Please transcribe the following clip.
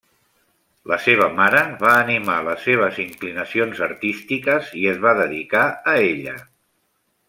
La seva mare va animar les seves inclinacions artístiques i es va dedicar a ella.